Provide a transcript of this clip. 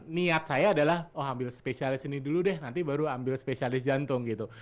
niat saya adalah oh ambil spesialis ini dulu deh nanti baru ambil spesialis jantung gitu